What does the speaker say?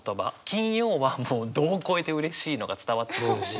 金曜はもう度を超えてうれしいのが伝わってくるし。